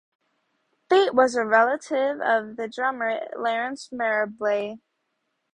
Fate was a relative of the drummer Larance Marable.